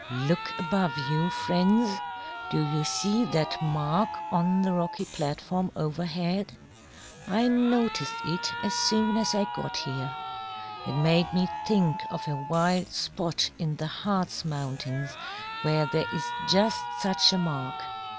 "Look above you, friends. Do you see that mark on the rocky platform overhead? I noticed it as soon as I got here. It made me think of a wild spot in the Hartz Mountains where there is just such a mark.